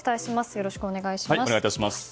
よろしくお願いします。